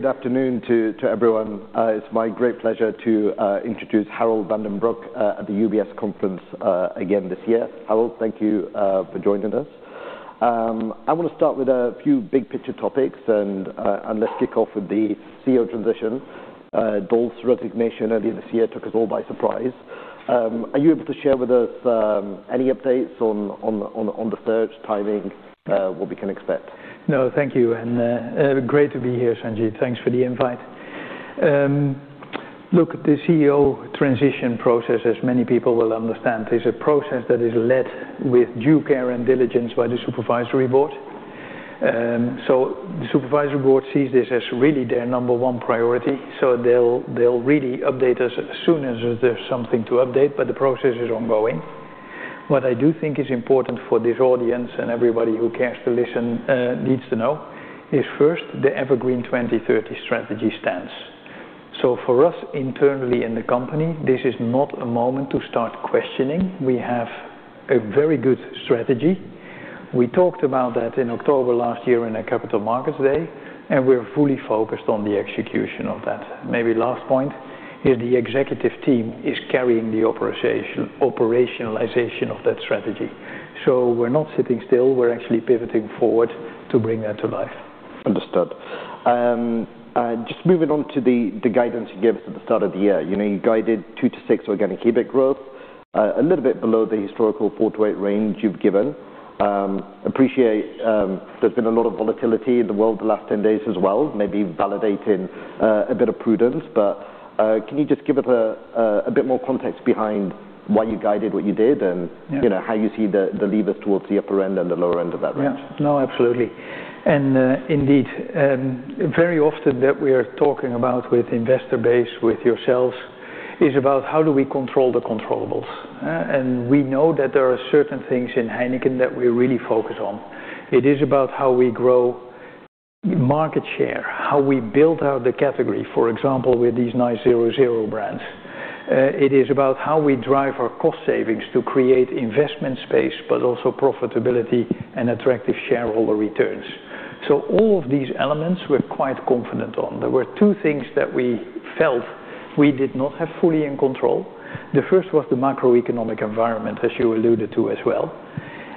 Good afternoon to everyone. It's my great pleasure to introduce Harold van den Broek at the UBS Conference again this year. Harold, thank you for joining us. I wanna start with a few big picture topics and let's kick off with the CEO transition. Dolf's resignation earlier this year took us all by surprise. Are you able to share with us any updates on the search timing, what we can expect? No, thank you. Great to be here, Sanjeet. Thanks for the invite. Look, the CEO transition process, as many people will understand, is a process that is led with due care and diligence by the supervisory board. The supervisory board sees this as really their number one priority, so they'll really update us as soon as there's something to update, but the process is ongoing. What I do think is important for this audience and everybody who cares to listen needs to know is first, the EverGreen 2030 strategy stance. For us, internally in the company, this is not a moment to start questioning. We have a very good strategy. We talked about that in October last year in our Capital Markets Day, and we're fully focused on the execution of that. Maybe last point is the executive team is carrying the operationalization of that strategy. We're not sitting still. We're actually pivoting forward to bring that to life. Understood. Just moving on to the guidance you gave us at the start of the year. You know, you guided 2%-6% organic EBIT growth, a little bit below the historical 4%-8% range you've given. I appreciate there's been a lot of volatility in the world the last 10 days as well, maybe validating a bit of prudence. Can you just give it a bit more context behind why you guided what you did and Yeah. You know, how you see the levers towards the upper end and the lower end of that range? Yeah. No, absolutely. Indeed, very often that we are talking about with investor base, with yourselves is about how do we control the controllables, and we know that there are certain things in Heineken that we really focus on. It is about how we grow market share, how we build out the category, for example, with these nice zero brands. It is about how we drive our cost savings to create investment space, but also profitability and attractive shareholder returns. All of these elements we're quite confident on. There were two things that we felt we did not have fully in control. The first was the macroeconomic environment, as you alluded to as well.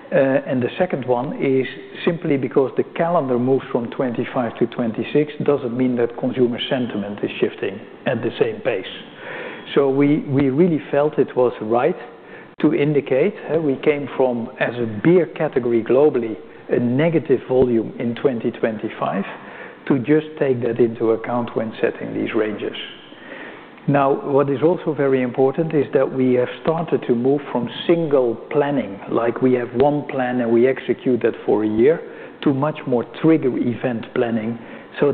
The second one is simply because the calendar moves from 2025-2026 doesn't mean that consumer sentiment is shifting at the same pace. We really felt it was right to indicate we came from, as a beer category globally, a negative volume in 2025 to just take that into account when setting these ranges. Now, what is also very important is that we have started to move from single planning, like we have one plan and we execute that for a year, to much more trigger event planning.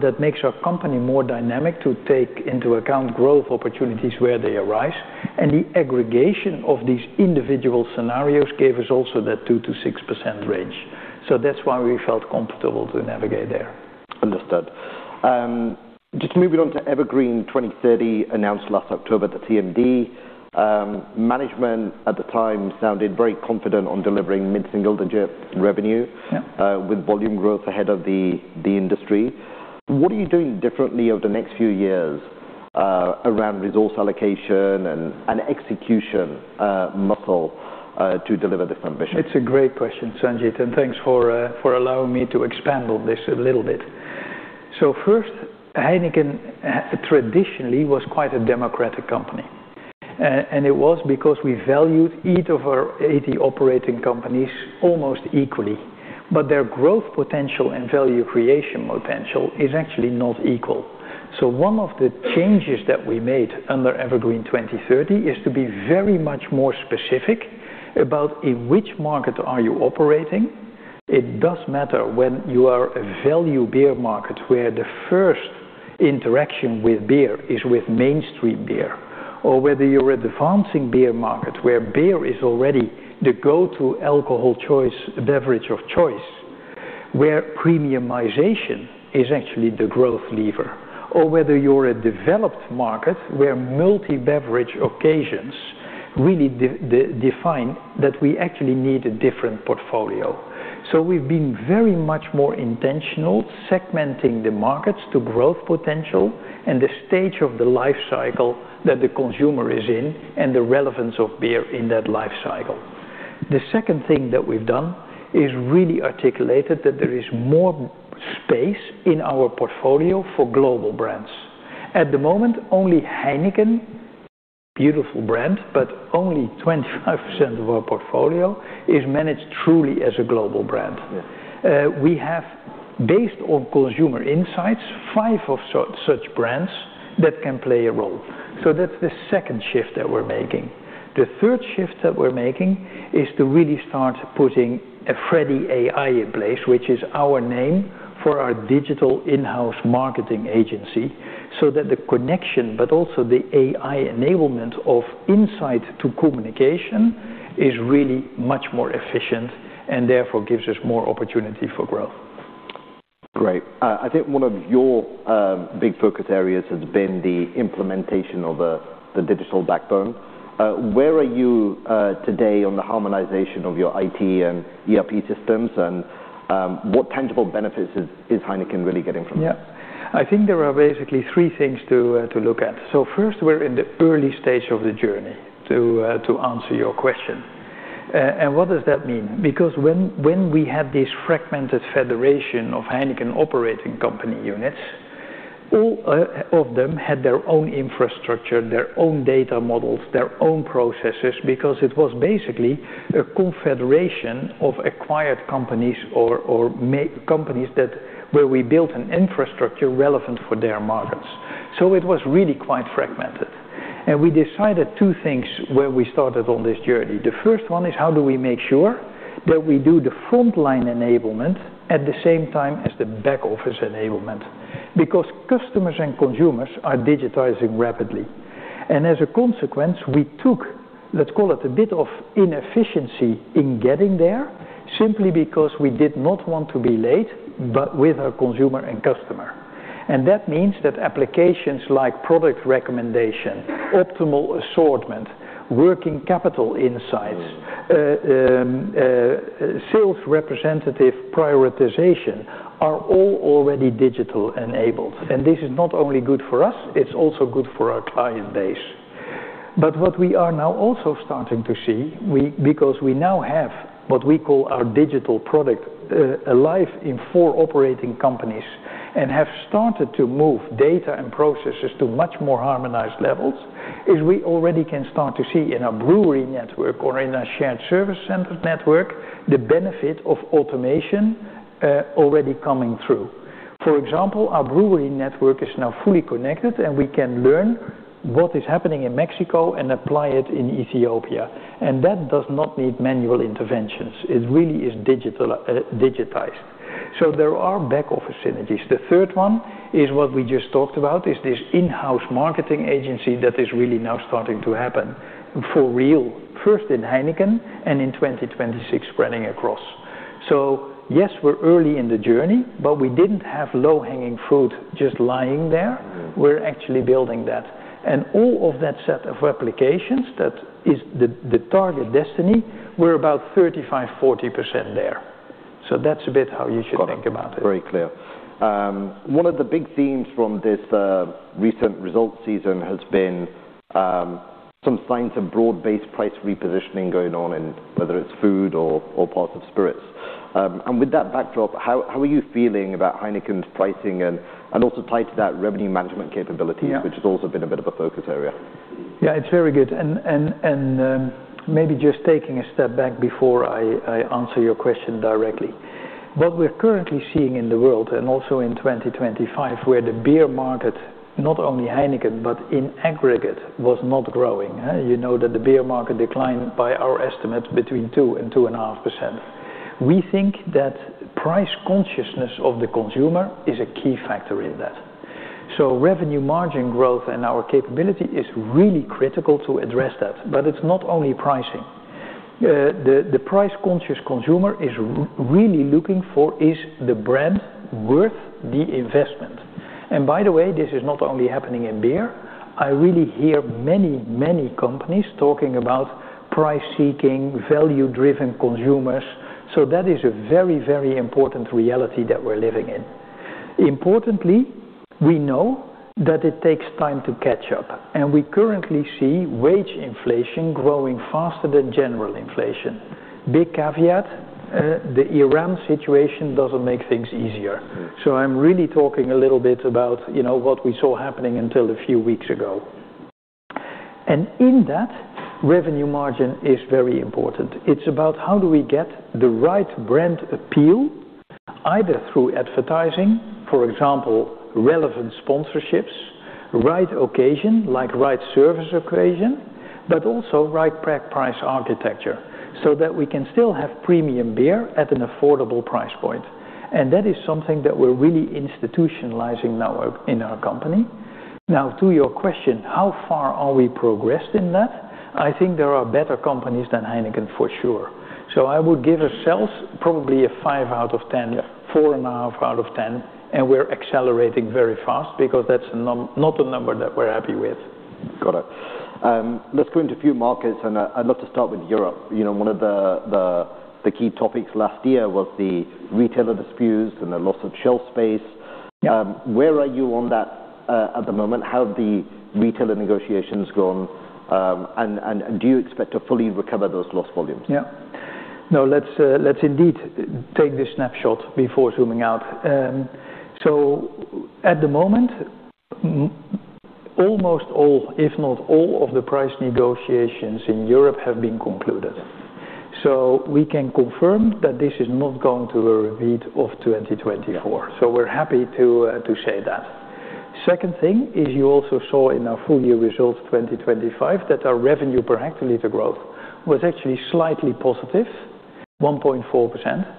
That makes our company more dynamic to take into account growth opportunities where they arise. The aggregation of these individual scenarios gave us also that 2%-6% range. That's why we felt comfortable to navigate there. Understood. Just moving on to EverGreen 2030 announced last October at the CMD. Management at the time sounded very confident on delivering mid-single-digit revenue- Yeah. with volume growth ahead of the industry. What are you doing differently over the next few years around resource allocation and execution muscle to deliver the foundation? It's a great question, Sanjeet, and thanks for allowing me to expand on this a little bit. First, Heineken traditionally was quite a democratic company, and it was because we valued each of our 80 operating companies almost equally. Their growth potential and value creation potential is actually not equal. One of the changes that we made under Evergreen 2030 is to be very much more specific about in which market are you operating. It does matter when you are a value beer market where the first interaction with beer is with mainstream beer, or whether you're an advancing beer market where beer is already the go-to alcohol choice, beverage of choice, where premiumization is actually the growth lever. Whether you're a developed market where multi-beverage occasions really define that we actually need a different portfolio. We've been very much more intentional segmenting the markets to growth potential and the stage of the life cycle that the consumer is in and the relevance of beer in that life cycle. The second thing that we've done is really articulated that there is more space in our portfolio for global brands. At the moment, only Heineken, beautiful brand, but only 25% of our portfolio is managed truly as a global brand. Yeah. We have, based on consumer insights, five of such brands that can play a role. That's the second shift that we're making. The third shift that we're making is to really start putting a Freddy AI in place, which is our name for our digital in-house marketing agency, so that the connection, but also the AI enablement of insight to communication is really much more efficient and therefore gives us more opportunity for growth. Great. I think one of your big focus areas has been the implementation of the digital backbone. Where are you today on the harmonization of your IT and ERP systems? What tangible benefits is Heineken really getting from that? I think there are basically three things to look at. First, we're in the early stage of the journey to answer your question. What does that mean? Because when we had this fragmented federation of Heineken operating company units, all of them had their own infrastructure, their own data models, their own processes, because it was basically a confederation of acquired companies or companies that we built an infrastructure relevant for their markets. It was really quite fragmented. We decided two things when we started on this journey. The first one is how do we make sure that we do the frontline enablement at the same time as the back-office enablement because customers and consumers are digitizing rapidly. As a consequence, we took, let's call it a bit of inefficiency in getting there simply because we did not want to be late, but with our consumer and customer. That means that applications like product recommendation, optimal assortment, working capital insights, sales representative prioritization are all already digital enabled. This is not only good for us, it's also good for our client base. What we are now also starting to see, because we now have what we call our digital product, alive in four operating companies and have started to move data and processes to much more harmonized levels, is we already can start to see in our brewery network or in our shared service center network the benefit of automation, already coming through. For example, our brewery network is now fully connected, and we can learn what is happening in Mexico and apply it in Ethiopia. That does not need manual interventions. It really is digital, digitized. There are back-office synergies. The third one is what we just talked about, is this in-house marketing agency that is really now starting to happen for real, first in Heineken, and in 2026 spreading across. Yes, we're early in the journey, but we didn't have low-hanging fruit just lying there. Mm. We're actually building that. All of that set of applications, that is the target destiny, we're about 35%-40% there. That's a bit how you should think about it. Got it. Very clear. One of the big themes from this recent results season has been some signs of broad-based price repositioning going on in whether it's food or parts of spirits. With that backdrop, how are you feeling about Heineken's pricing and also tied to that revenue management capability? Yeah which has also been a bit of a focus area? Yeah, it's very good. Maybe just taking a step back before I answer your question directly. What we're currently seeing in the world and also in 2025, where the beer market, not only Heineken, but in aggregate was not growing. You know that the beer market declined by our estimate between 2% and 2.5%. We think that price consciousness of the consumer is a key factor in that. Revenue margin growth and our capability is really critical to address that. It's not only pricing. The price-conscious consumer is really looking for, is the brand worth the investment? By the way, this is not only happening in beer. I really hear many companies talking about price-seeking, value-driven consumers. That is a very important reality that we're living in. Importantly, we know that it takes time to catch up, and we currently see wage inflation growing faster than general inflation. Big caveat, the Iran situation doesn't make things easier. Mm. I'm really talking a little bit about, you know, what we saw happening until a few weeks ago. In that, revenue margin is very important. It's about how do we get the right brand appeal, either through advertising, for example, relevant sponsorships, right occasion, like right service occasion, but also right price architecture, so that we can still have premium beer at an affordable price point. That is something that we're really institutionalizing now in our company. Now, to your question, how far are we progressed in that? I think there are better companies than Heineken for sure. I would give ourselves probably a five out of 10. Yeah. Four and a half out of 10, and we're accelerating very fast because that's not a number that we're happy with. Got it. Let's go into a few markets, and I'd love to start with Europe. You know, one of the key topics last year was the retailer disputes and the loss of shelf space. Yeah. Where are you on that at the moment? How have the retailer negotiations gone? Do you expect to fully recover those lost volumes? Yeah. No, let's indeed take this snapshot before zooming out. At the moment, almost all, if not all, of the price negotiations in Europe have been concluded. We can confirm that this is not going to be a repeat of 2024. Yeah. We're happy to say that. Second thing is you also saw in our full year results 2025 that our revenue per hectoliter growth was actually slightly positive, 1.4%.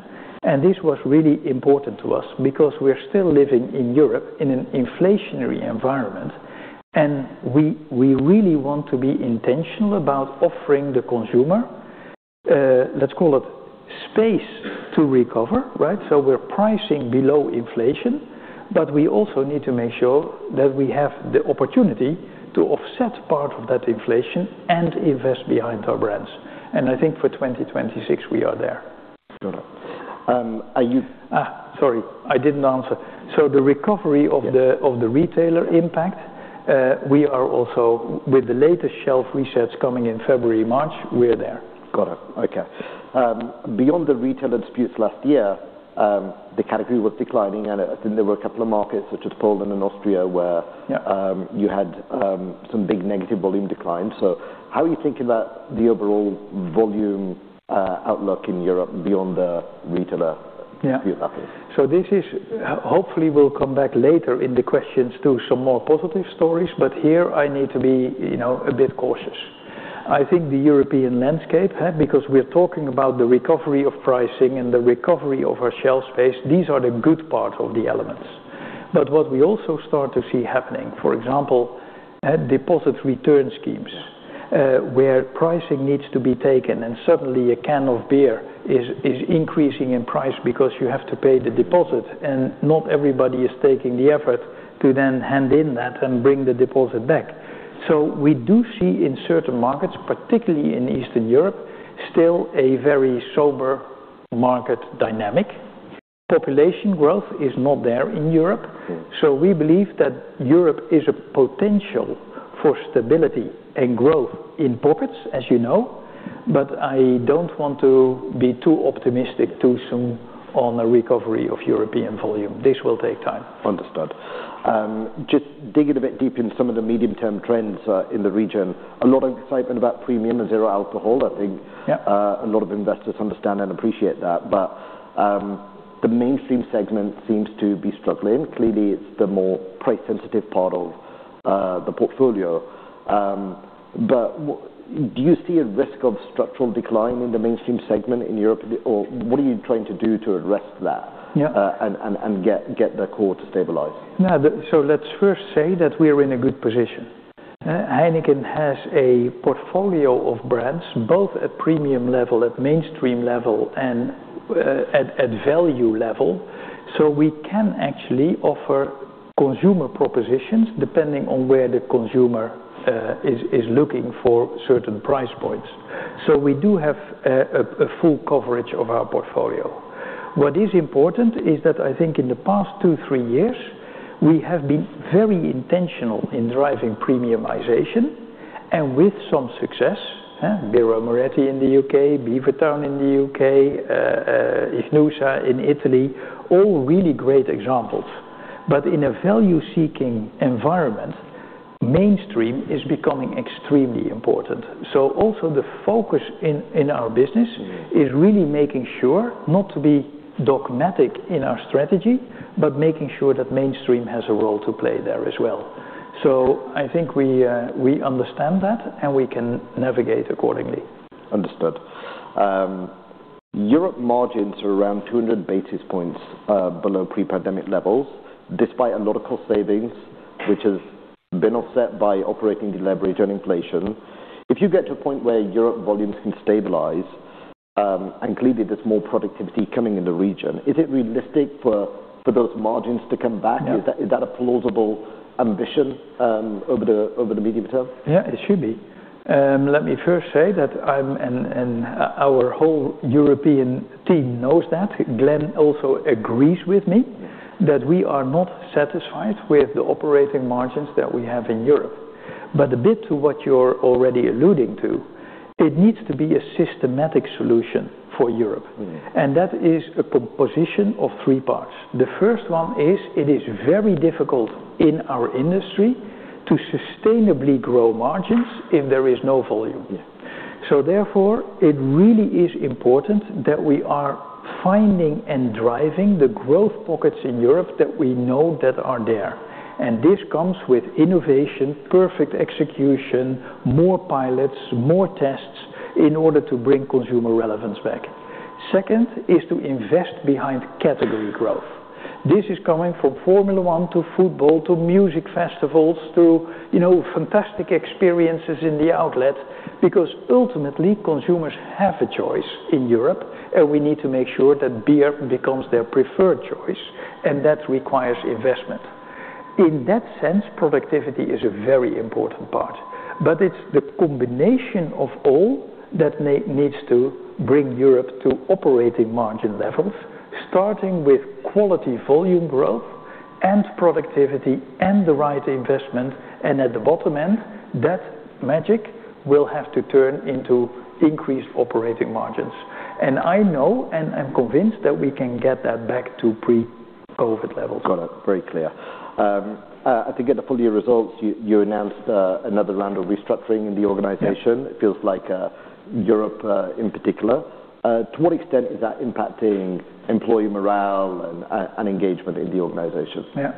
This was really important to us because we're still living in Europe in an inflationary environment, and we really want to be intentional about offering the consumer, let's call it space to recover, right? We're pricing below inflation, but we also need to make sure that we have the opportunity to offset part of that inflation and invest behind our brands. I think for 2026 we are there. Got it. Are you- Sorry, I didn't answer. The recovery of the Yes... of the retailer impact, we are also with the latest shelf research coming in February, March, we're there. Got it. Okay. Beyond the retailer disputes last year, the category was declining. I think there were a couple of markets such as Poland and Austria, where Yeah You had some big negative volume declines. How are you thinking about the overall volume outlook in Europe beyond the retailer? Yeah view of that? Hopefully we'll come back later in the questions to some more positive stories, but here I need to be, you know, a bit cautious. I think the European landscape, because we're talking about the recovery of pricing and the recovery of our shelf space, these are the good part of the elements. What we also start to see happening, for example, at deposit return schemes. Yes. Where pricing needs to be taken and suddenly a can of beer is increasing in price because you have to pay the deposit and not everybody is taking the effort to then hand in that and bring the deposit back. We do see in certain markets, particularly in Eastern Europe, still a very sober market dynamic. Population growth is not there in Europe. Mm-hmm. We believe that Europe is a potential for stability and growth in pockets, as you know. I don't want to be too optimistic too soon on a recovery of European volume. This will take time. Understood. Just digging a bit deep in some of the medium-term trends in the region. A lot of excitement about premium and zero alcohol. I think. Yeah A lot of investors understand and appreciate that. The mainstream segment seems to be struggling. Clearly, it's the more price sensitive part of the portfolio. What do you see a risk of structural decline in the mainstream segment in Europe? Or what are you trying to do to address that? Yeah. Get the core to stabilize? Yeah. Let's first say that we are in a good position. Heineken has a portfolio of brands both at premium level, at mainstream level, and at value level. We can actually offer consumer propositions depending on where the consumer is looking for certain price points. We do have a full coverage of our portfolio. What is important is that I think in the past two years, three years, we have been very intentional in driving premiumization and with some success. Birra Moretti in the U.K., Beavertown in the U.K., Ichnusa in Italy, all really great examples. But in a value seeking environment, mainstream is becoming extremely important. Also the focus in our business. Mm-hmm is really making sure not to be dogmatic in our strategy, but making sure that mainstream has a role to play there as well. I think we understand that, and we can navigate accordingly. Understood. Europe margins are around 200 basis points below pre-pandemic levels, despite a lot of cost savings, which has been offset by operating deleverage and inflation. If you get to a point where Europe volumes can stabilize, and clearly there's more productivity coming in the region, is it realistic for those margins to come back? Yeah. Is that a plausible ambition over the medium term? Yeah, it should be. Let me first say that our whole European team knows that, Glenn also agrees with me, that we are not satisfied with the operating margins that we have in Europe. A bit to what you're already alluding to, it needs to be a systematic solution for Europe. Mm-hmm. That is a composition of three parts. The first one is, it is very difficult in our industry to sustainably grow margins if there is no volume. Yeah. It really is important that we are finding and driving the growth pockets in Europe that we know that are there. This comes with innovation, perfect execution, more pilots, more tests in order to bring consumer relevance back. Second is to invest behind category growth. This is coming from Formula One to football, to music festivals, to, you know, fantastic experiences in the outlet because ultimately consumers have a choice in Europe, and we need to make sure that beer becomes their preferred choice, and that requires investment. In that sense, productivity is a very important part. It's the combination of all that needs to bring Europe to operating margin levels, starting with quality volume growth and productivity and the right investment. At the bottom end, that magic will have to turn into increased operating margins. I know, and I'm convinced that we can get that back to pre-COVID levels. Got it. Very clear. I think in the full year results, you announced another round of restructuring in the organization. Yeah. It feels like Europe, in particular. To what extent is that impacting employee morale and engagement in the organizations? Yeah.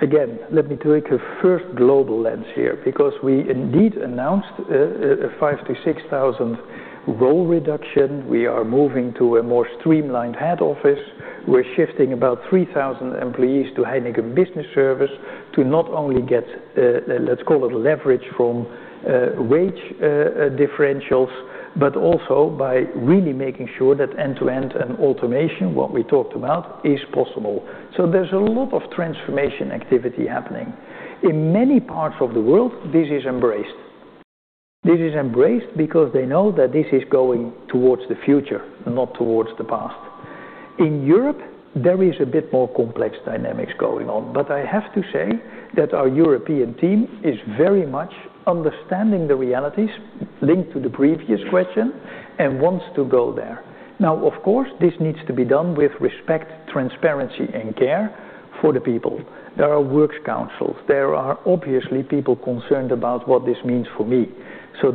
Again, let me take a first global lens here because we indeed announced a 5,000-6,000 role reduction. We are moving to a more streamlined head office. We're shifting about 3,000 employees to Heineken Business Services to not only get, let's call it leverage from wage differentials, but also by really making sure that end-to-end and automation, what we talked about, is possible. There's a lot of transformation activity happening. In many parts of the world, this is embraced because they know that this is going towards the future, not towards the past. In Europe, there is a bit more complex dynamics going on, but I have to say that our European team is very much understanding the realities linked to the previous question and wants to go there. Now, of course, this needs to be done with respect, transparency and care for the people. There are works councils. There are obviously people concerned about what this means for me.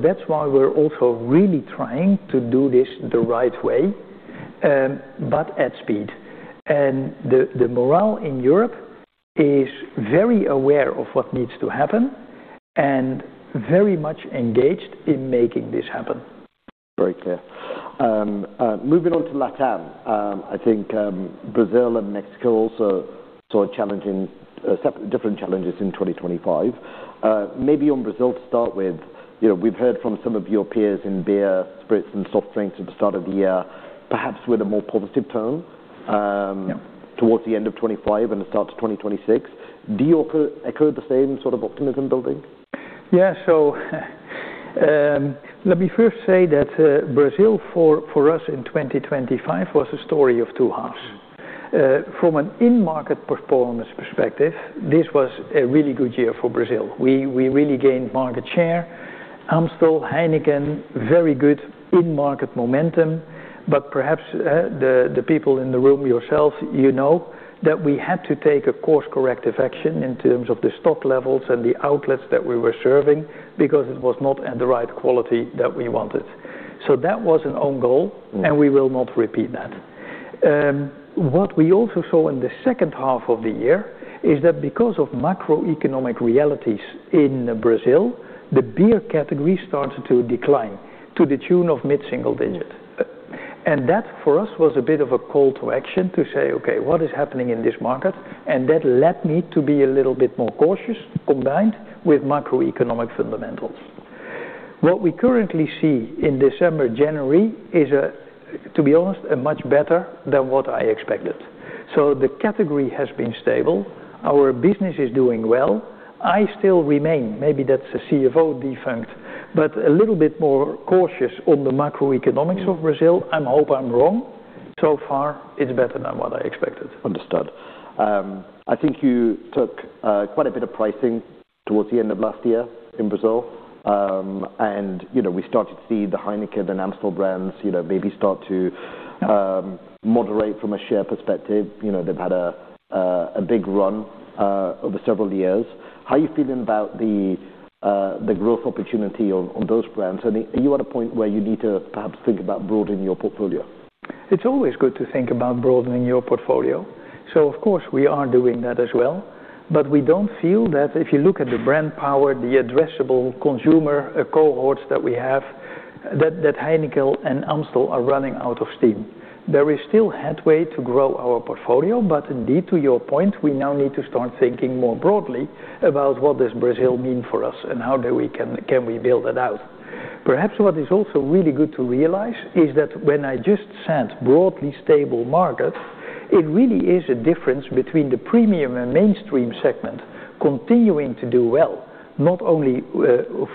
That's why we're also really trying to do this the right way, but at speed. The morale in Europe is very aware of what needs to happen and very much engaged in making this happen. Very clear. Moving on to Latam. I think Brazil and Mexico also saw different challenges in 2025. Maybe on Brazil to start with. You know, we've heard from some of your peers in beer, spirits, and soft drinks at the start of the year, perhaps with a more positive tone. Yeah Towards the end of 2025 and the start of 2026. Do you echo the same sort of optimism building? Yeah. Let me first say that Brazil for us in 2025 was a story of two halves. From an in-market performance perspective, this was a really good year for Brazil. We really gained market share. Amstel, Heineken, very good in-market momentum. But perhaps the people in the room yourselves, you know that we had to take a course correction in terms of the stock levels and the outlets that we were serving because it was not at the right quality that we wanted. That was an own goal, and we will not repeat that. What we also saw in the H2 of the year is that because of macroeconomic realities in Brazil, the beer category started to decline to the tune of mid-single-digit%. That, for us, was a bit of a call to action to say, "Okay, what is happening in this market?" That led me to be a little bit more cautious, combined with macroeconomic fundamentals. What we currently see in December, January is, to be honest, a much better than what I expected. The category has been stable. Our business is doing well. I still remain, maybe that's a CFO default, but a little bit more cautious on the macroeconomics of Brazil. I hope I'm wrong. So far, it's better than what I expected. Understood. I think you took quite a bit of pricing towards the end of last year in Brazil. You know, we started to see the Heineken and Amstel brands, you know, maybe start to moderate from a share perspective. You know, they've had a big run over several years. How are you feeling about the growth opportunity on those brands? Are you at a point where you need to perhaps think about broadening your portfolio? It's always good to think about broadening your portfolio. Of course, we are doing that as well. We don't feel that if you look at the brand power, the addressable consumer cohorts that we have, that Heineken and Amstel are running out of steam. There is still headway to grow our portfolio, but indeed, to your point, we now need to start thinking more broadly about what does Brazil mean for us and can we build that out. Perhaps what is also really good to realize is that when I just said broadly stable markets, it really is a difference between the premium and mainstream segment continuing to do well, not only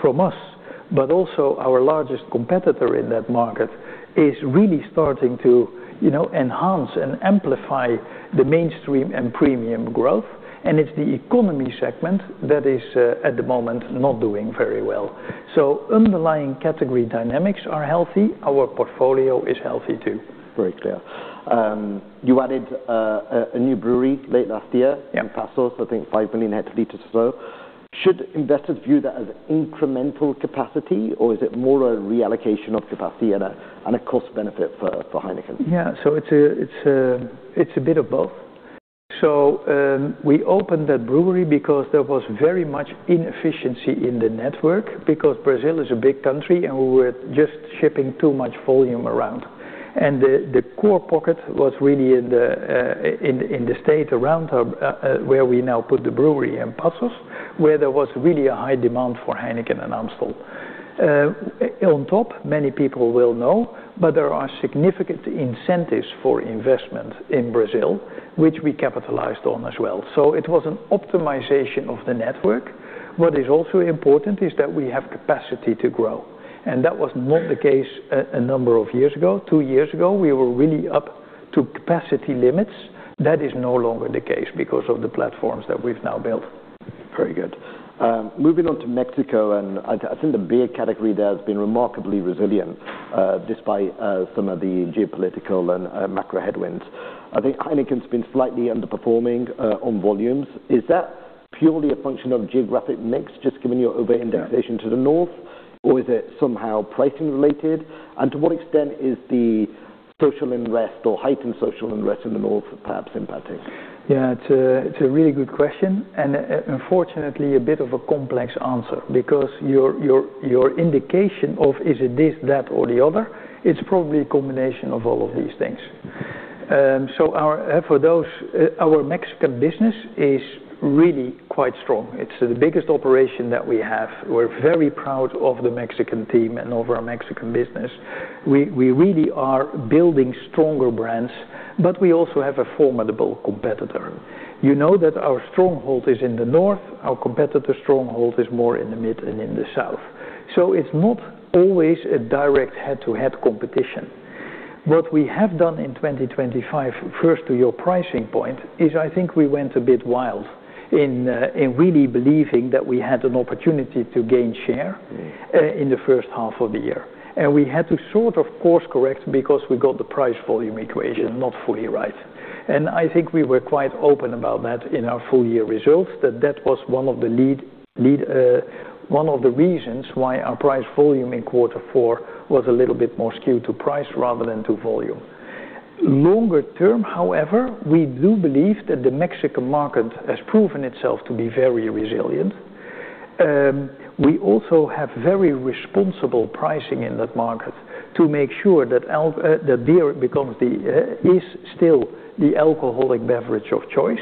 from us, but also our largest competitor in that market is really starting to, you know, enhance and amplify the mainstream and premium growth. It's the economy segment that is, at the moment, not doing very well. Underlying category dynamics are healthy. Our portfolio is healthy, too. Very clear. You added a new brewery late last year. Yeah. In Passos, I think 5 million hectoliters or so. Should investors view that as incremental capacity, or is it more a reallocation of capacity and a cost benefit for Heineken? Yeah. It's a bit of both. We opened that brewery because there was very much inefficiency in the network because Brazil is a big country, and we were just shipping too much volume around. The core pocket was really in the state around where we now put the brewery in Passos, where there was really a high demand for Heineken and Amstel. On top, many people will know, but there are significant incentives for investment in Brazil, which we capitalized on as well. It was an optimization of the network. What is also important is that we have capacity to grow, and that was not the case a number of years ago. Two years ago, we were really up to capacity limits. That is no longer the case because of the platforms that we've now built. Very good. Moving on to Mexico, I think the beer category there has been remarkably resilient, despite some of the geopolitical and macro headwinds. I think Heineken's been slightly underperforming on volumes. Is that purely a function of geographic mix, just given your over-indexation to the north, or is it somehow pricing related? To what extent is the social unrest or heightened social unrest in the north perhaps impacting? Yeah, it's a really good question, and unfortunately, a bit of a complex answer because your indication of is it this, that, or the other, it's probably a combination of all of these things. For those, our Mexican business is really quite strong. It's the biggest operation that we have. We're very proud of the Mexican team and of our Mexican business. We really are building stronger brands, but we also have a formidable competitor. You know that our stronghold is in the north. Our competitor stronghold is more in the mid and in the south. It's not always a direct head-to-head competition. What we have done in 2025, first to your pricing point, is I think we went a bit wild in really believing that we had an opportunity to gain share in the H1 of the year. We had to sort of course correct because we got the price volume equation not fully right. I think we were quite open about that in our full year results, that that was one of the reasons why our price volume in Q4 was a little bit more skewed to price rather than to volume. Longer term, however, we do believe that the Mexican market has proven itself to be very resilient. We also have very responsible pricing in that market to make sure that beer is still the alcoholic beverage of choice,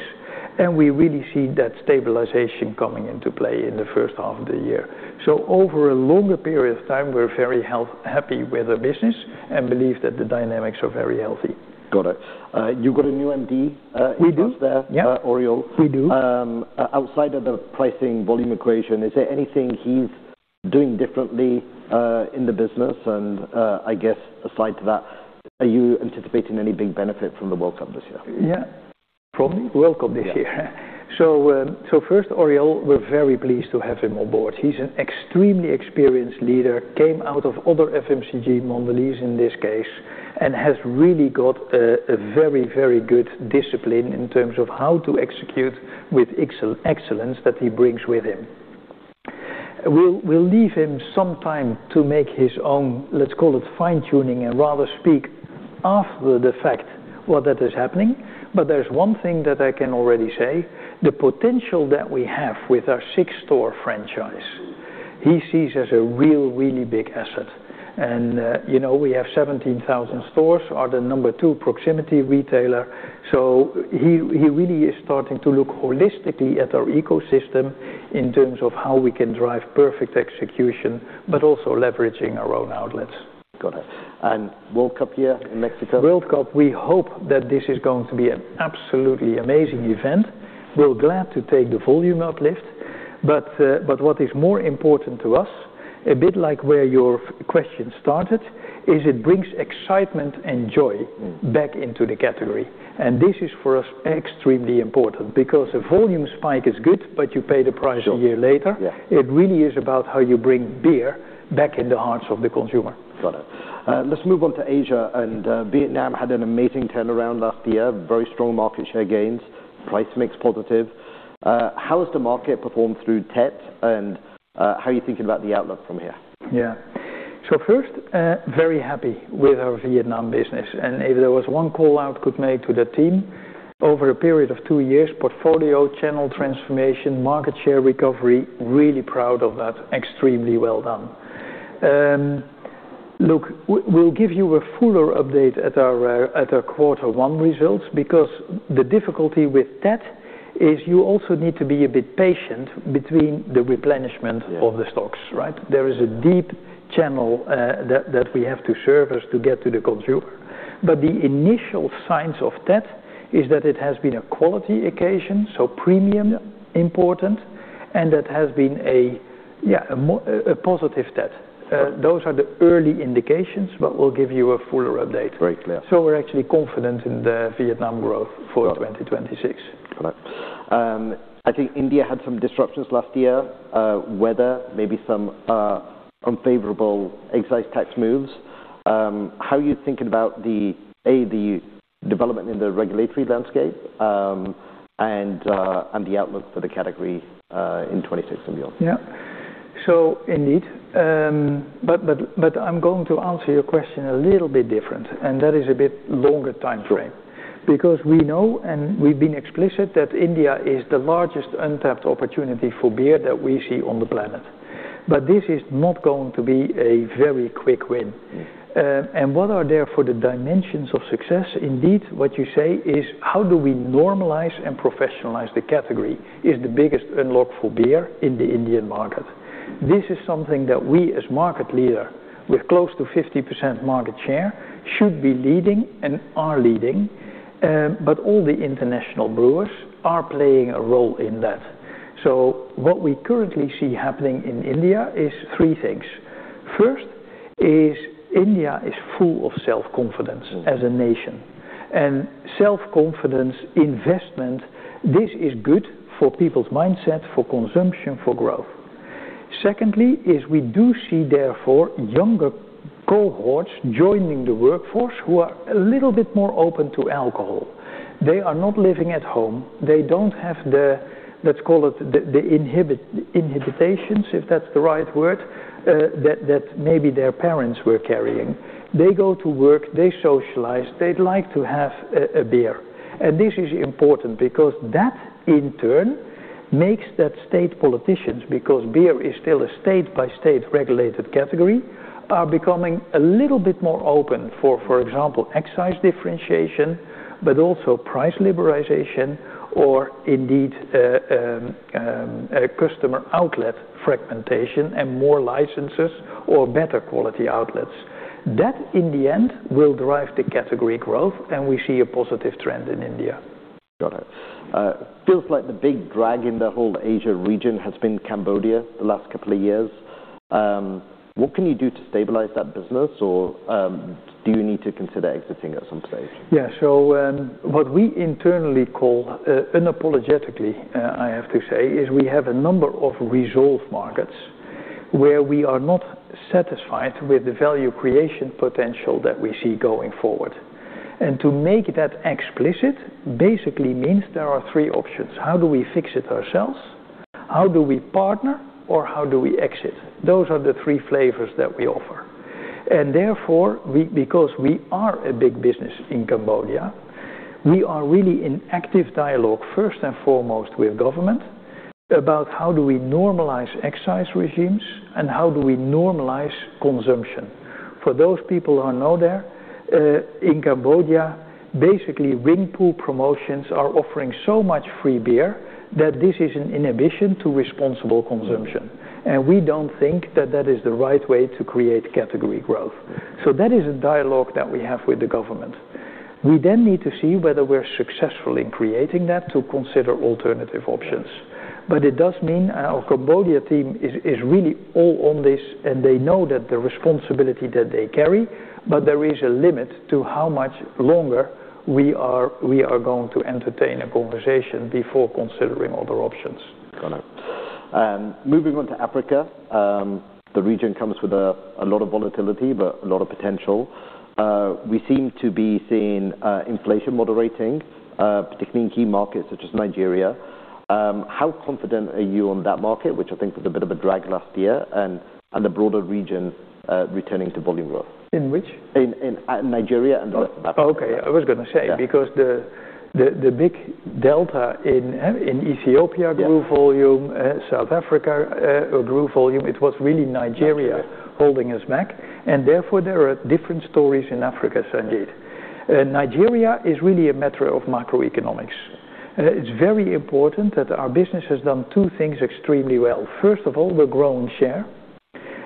and we really see that stabilization coming into play in the H1 of the year. Over a longer period of time, we're very happy with the business and believe that the dynamics are very healthy. Got it. You've got a new MD across there- We do. -Oriol. We do. Outside of the pricing volume equation, is there anything he's doing differently in the business? I guess aside to that, are you anticipating any big benefit from the World Cup this year? Yeah. From? World Cup this year. Yeah. First, Oriol, we're very pleased to have him on board. He's an extremely experienced leader, came out of other FMCG, Mondelez in this case, and has really got a very good discipline in terms of how to execute with excellence that he brings with him. We'll leave him some time to make his own, let's call it fine-tuning, and rather speak after the fact what that is happening. There's one thing that I can already say. The potential that we have with our SIX store franchise, he sees as a really big asset. You know, we have 17,000 stores, are the number two proximity retailer. He really is starting to look holistically at our ecosystem in terms of how we can drive perfect execution, but also leveraging our own outlets. Got it. World Cup year in Mexico. World Cup, we hope that this is going to be an absolutely amazing event. We're glad to take the volume uplift, but what is more important to us, a bit like where your question started, is it brings excitement and joy back into the category. This is for us extremely important because a volume spike is good, but you pay the price a year later. Yeah. It really is about how you bring beer back in the hearts of the consumer. Got it. Let's move on to Asia and Vietnam had an amazing turnaround last year. Very strong market share gains, price mix positive. How has the market performed through Tet and how are you thinking about the outlook from here? Yeah. First, very happy with our Vietnam business, and if there was one call-out could make to the team over a period of two years, portfolio, channel transformation, market share recovery, really proud of that. Extremely well done. Look, we'll give you a fuller update at our quarter one results because the difficulty with Tet is you also need to be a bit patient between the replenishment. Yeah. of the stocks, right? There is a deep channel that we have to serve as to get to the consumer. The initial signs of Tet is that it has been a quality occasion, so premium important, and that has been a positive Tet. Those are the early indications, but we'll give you a fuller update. Very clear. We're actually confident in the Vietnam growth for 2026. Got it. I think India had some disruptions last year, weather, maybe some unfavorable excise tax moves. How are you thinking about the development in the regulatory landscape, and the outlook for the category in 2026 and beyond? Indeed, I'm going to answer your question a little bit different, and that is a bit longer time frame. Because we know and we've been explicit that India is the largest untapped opportunity for beer that we see on the planet. This is not going to be a very quick win. Mm-hmm. What are therefore the dimensions of success? Indeed, what you say is how do we normalize and professionalize the category is the biggest unlock for beer in the Indian market. This is something that we as market leader with close to 50% market share should be leading and are leading, but all the international brewers are playing a role in that. What we currently see happening in India is three things. First is India is full of self-confidence as a nation. Self-confidence, investment, this is good for people's mindset, for consumption, for growth. Secondly is we do see therefore younger cohorts joining the workforce who are a little bit more open to alcohol. They are not living at home. They don't have the, let's call it the inhibition, if that's the right word, that maybe their parents were carrying. They go to work, they socialize, they'd like to have a beer. This is important because that in turn makes that state politicians, because beer is still a state-by-state regulated category, are becoming a little bit more open for example, excise differentiation, but also price liberalization or indeed, a customer outlet fragmentation and more licenses or better quality outlets. That in the end will drive the category growth, and we see a positive trend in India. Got it. Feels like the big drag in the whole Asia region has been Cambodia the last couple of years. What can you do to stabilize that business? Or, do you need to consider exiting at some stage? Yeah. What we internally call, unapologetically, I have to say, is we have a number of resolve markets where we are not satisfied with the value creation potential that we see going forward. To make that explicit basically means there are three options. How do we fix it ourselves? How do we partner? Or how do we exit? Those are the three flavors that we offer. Therefore, because we are a big business in Cambodia, we are really in active dialogue, first and foremost, with government about how do we normalize excise regimes and how do we normalize consumption. For those people who are not there, in Cambodia, basically, win pool promotions are offering so much free beer that this is an inhibition to responsible consumption. Mm-hmm. We don't think that that is the right way to create category growth. That is a dialogue that we have with the government. We then need to see whether we're successful in creating that to consider alternative options. It does mean our Cambodia team is really all on this, and they know that the responsibility that they carry, but there is a limit to how much longer we are going to entertain a conversation before considering other options. Got it. Moving on to Africa, the region comes with a lot of volatility, but a lot of potential. We seem to be seeing inflation moderating, particularly in key markets such as Nigeria. How confident are you on that market, which I think was a bit of a drag last year and the broader region returning to volume growth? In which? In Nigeria and the rest of Africa. Oh, okay. I was gonna say. Yeah. Because the big delta in Ethiopia. Yeah ...grew volume. South Africa grew volume. It was really Nigeria- Nigeria ...holding us back, and therefore there are different stories in Africa, Sanjeet. Nigeria is really a matter of macroeconomics. It's very important that our business has done two things extremely well. First of all, we're growing share.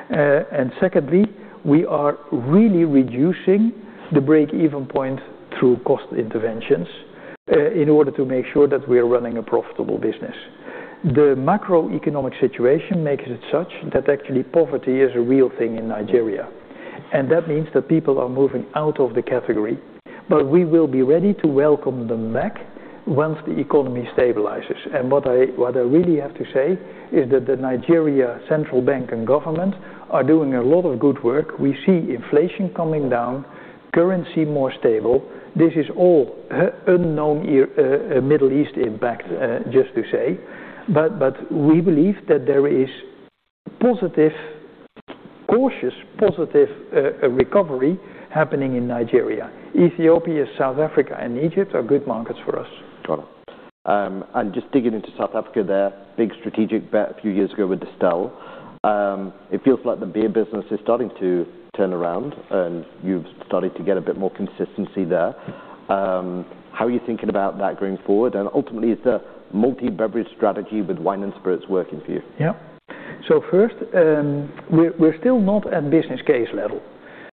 And secondly, we are really reducing the break-even point through cost interventions, in order to make sure that we are running a profitable business. The macroeconomic situation makes it such that actually poverty is a real thing in Nigeria, and that means that people are moving out of the category. But we will be ready to welcome them back once the economy stabilizes. What I really have to say is that the Central Bank of Nigeria and government are doing a lot of good work. We see inflation coming down, currency more stable. This is all unknown here, Middle East impact, just to say, but we believe that there is cautiously positive recovery happening in Nigeria. Ethiopia, South Africa, and Egypt are good markets for us. Got it. Just digging into South Africa there, big strategic bet a few years ago with Distell. It feels like the beer business is starting to turn around, and you've started to get a bit more consistency there. How are you thinking about that going forward? Ultimately, is the multi-beverage strategy with wine and spirits working for you? Yeah. First, we're still not at business case level,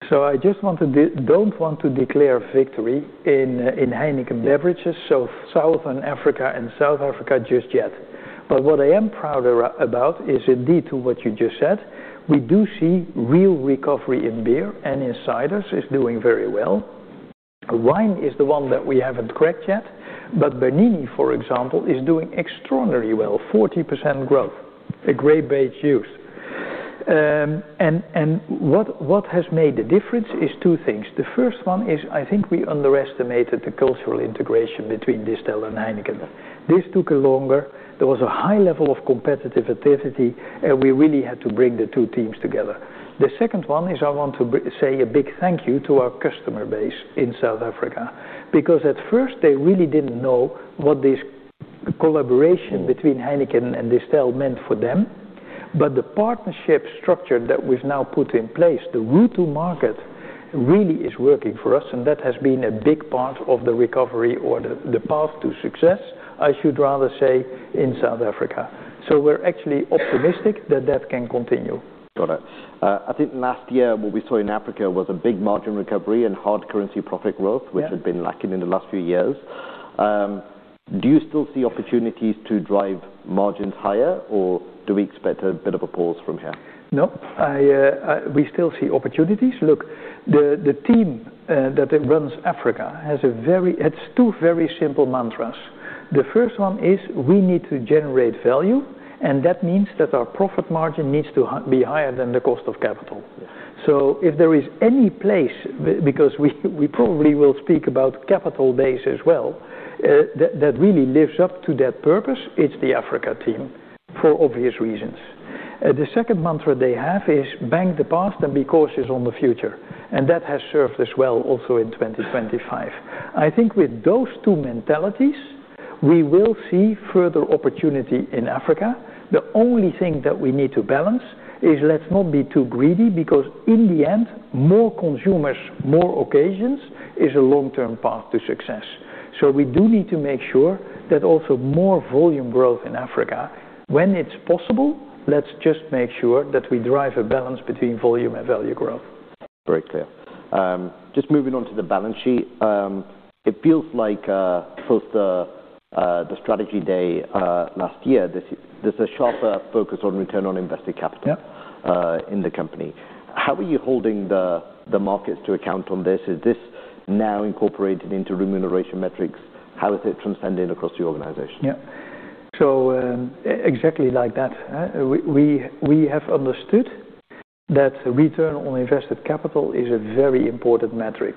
so I just want to don't want to declare victory in Heineken Beverages, so Southern Africa and South Africa just yet. What I am prouder about is indeed to what you just said, we do see real recovery in beer, and in ciders is doing very well. Wine is the one that we haven't cracked yet. Bernini, for example, is doing extraordinarily well, 40% growth, a great base use. What has made the difference is two things. The first one is, I think we underestimated the cultural integration between Distell and Heineken. This took longer. There was a high level of competitive activity, and we really had to bring the two teams together. The second one is I want to say a big thank you to our customer base in South Africa, because at first, they really didn't know what this collaboration between Heineken and Distell meant for them. The partnership structure that was now put in place, the route to market really is working for us, and that has been a big part of the recovery or the path to success, I should rather say, in South Africa. We're actually optimistic that that can continue. Got it. I think last year what we saw in Africa was a big margin recovery and hard currency profit growth. Yeah ...which had been lacking in the last few years. Do you still see opportunities to drive margins higher, or do we expect a bit of a pause from here? No. We still see opportunities. Look, the team that runs Africa has two very simple mantras. The first one is, we need to generate value, and that means that our profit margin needs to be higher than the cost of capital. Yeah. If there is any place, because we probably will speak about capital base as well, that really lives up to that purpose, it's the Africa team for obvious reasons. The second mantra they have is, bank the past and be cautious on the future, and that has served us well also in 2025. I think with those two mentalities, we will see further opportunity in Africa. The only thing that we need to balance is let's not be too greedy, because in the end, more consumers, more occasions, is a long-term path to success. We do need to make sure that also more volume growth in Africa. When it's possible, let's just make sure that we derive a balance between volume and value growth. Very clear. Just moving on to the balance sheet. It feels like post the strategy day last year, there's a sharper focus on return on invested capital. Yeah in the company. How are you holding the markets to account on this? Is this now incorporated into remuneration metrics? How is it transcending across the organization? Yeah. Exactly like that, huh. We have understood that return on invested capital is a very important metric.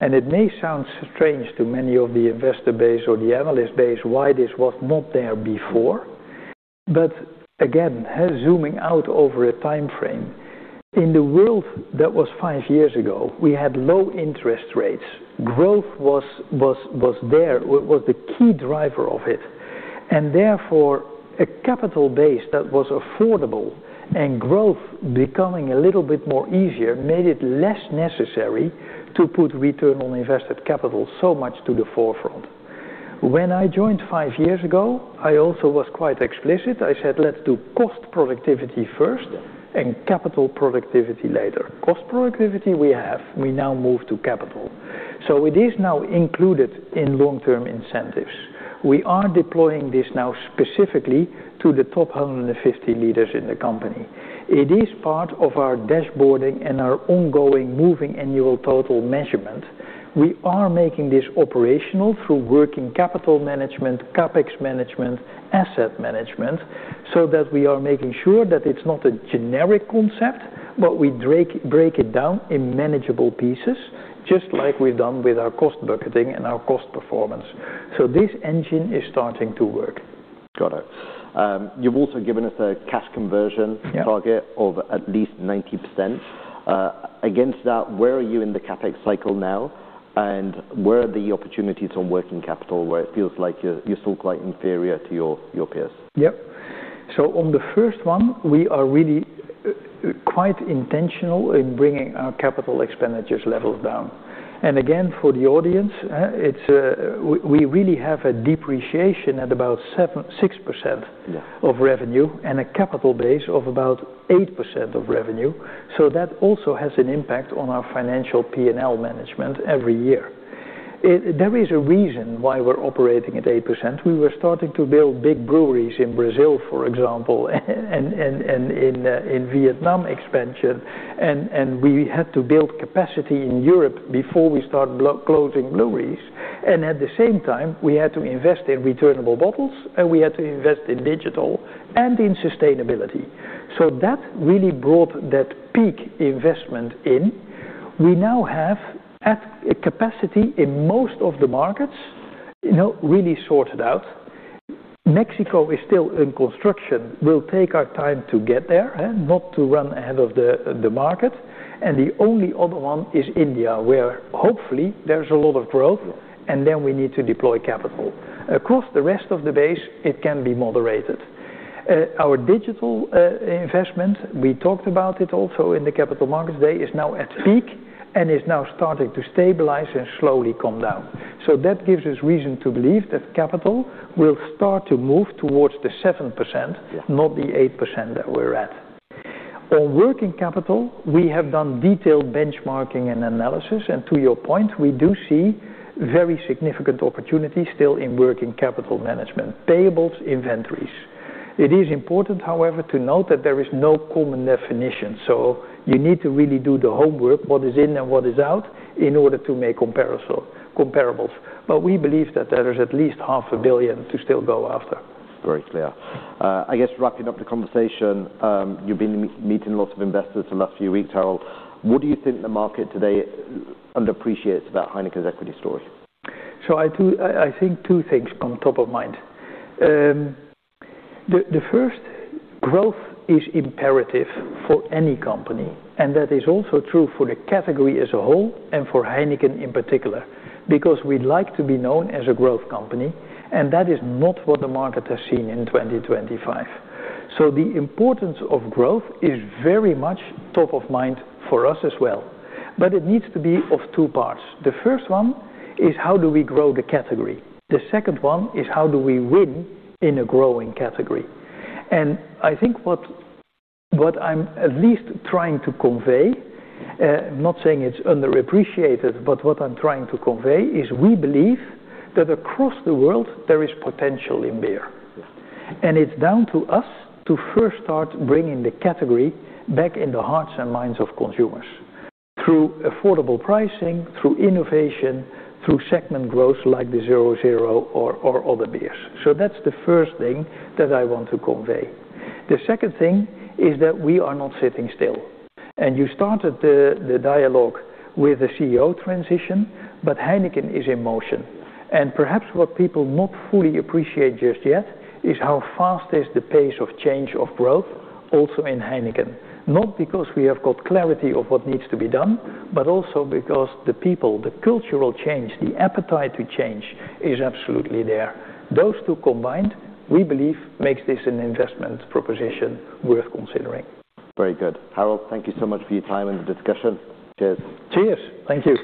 It may sound strange to many of the investor base or the analyst base why this was not there before. Again, zooming out over a time frame, in the world that was five years ago, we had low interest rates. Growth was there. It was the key driver of it. Therefore, a capital base that was affordable and growth becoming a little bit more easier made it less necessary to put return on invested capital so much to the forefront. When I joined five years ago, I also was quite explicit. I said, "Let's do cost productivity first and capital productivity later." Cost productivity we have. We now move to capital. It is now included in long-term incentives. We are deploying this now specifically to the top 150 leaders in the company. It is part of our dashboarding and our ongoing moving annual total measurement. We are making this operational through working capital management, CapEx management, asset management, so that we are making sure that it's not a generic concept, but we break it down in manageable pieces, just like we've done with our cost budgeting and our cost performance. This engine is starting to work. Got it. You've also given us a cash conversion- Yeah Target of at least 90%. Against that, where are you in the CapEx cycle now? Where are the opportunities on working capital, where it feels like you're still quite inferior to your peers? Yep. On the first one, we are really quite intentional in bringing our capital expenditures levels down. Again, for the audience, it's we really have a depreciation at about 6%. Yeah of revenue and a capital base of about 8% of revenue. That also has an impact on our financial P&L management every year. There is a reason why we're operating at 8%. We were starting to build big breweries in Brazil, for example, and in Vietnam expansion. We had to build capacity in Europe before we start closing breweries. At the same time, we had to invest in returnable bottles, and we had to invest in digital and in sustainability. That really brought that peak investment in. We now have at a capacity in most of the markets, you know, really sorted out. Mexico is still in construction. We'll take our time to get there, not to run ahead of the market. The only other one is India, where hopefully there's a lot of growth, and then we need to deploy capital. Across the rest of the base, it can be moderated. Our digital investment, we talked about it also in the Capital Markets Day, is now at peak and is now starting to stabilize and slowly come down. That gives us reason to believe that capital will start to move towards the 7%. Yeah Not the 8% that we're at. On working capital, we have done detailed benchmarking and analysis. To your point, we do see very significant opportunities still in working capital management, payables, inventories. It is important, however, to note that there is no common definition. You need to really do the homework, what is in and what is out, in order to make comparables. We believe that there is at least 0.5 billion to still go after. Very clear. I guess wrapping up the conversation, you've been meeting lots of investors the last few weeks, Harold. What do you think the market today underappreciates about Heineken's equity story? I think two things come top of mind. The first, growth is imperative for any company, and that is also true for the category as a whole and for Heineken in particular. Because we'd like to be known as a growth company, and that is not what the market has seen in 2025. The importance of growth is very much top of mind for us as well. It needs to be of two parts. The first one is how do we grow the category? The second one is how do we win in a growing category? I think what I'm at least trying to convey, I'm not saying it's underappreciated, but what I'm trying to convey is we believe that across the world there is potential in beer. Yeah. It's down to us to first start bringing the category back in the hearts and minds of consumers through affordable pricing, through innovation, through segment growth like the Heineken 0.0 or other beers. That's the first thing that I want to convey. The second thing is that we are not sitting still. You started the dialogue with the CEO transition, but Heineken is in motion. Perhaps what people not fully appreciate just yet is how fast is the pace of change of growth also in Heineken. Not because we have got clarity of what needs to be done, but also because the people, the cultural change, the appetite to change is absolutely there. Those two combined, we believe, makes this an investment proposition worth considering. Very good. Harold, thank you so much for your time and the discussion. Cheers. Cheers. Thank you.